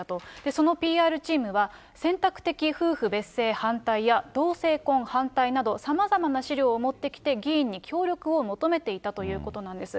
そのＰＲチームは、選択的夫婦別姓反対や同性婚反対など、さまざまな資料を持ってきて、議員に協力を求めていたということなんです。